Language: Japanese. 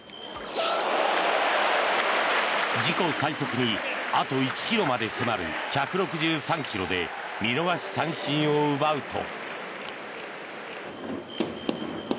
自己最速にあと１ｋｍまで迫る１６３ｋｍで見逃し三振を奪うと。